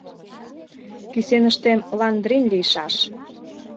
— Кӱсеныштем ландрин лийшаш.